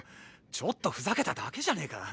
ちょっとふざけただけじゃねぇか。